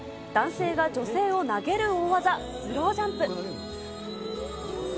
男性が女性を投げる大技、スロージャンプ。